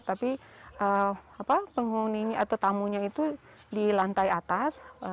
tapi penghuninya atau tamunya itu di lantai atas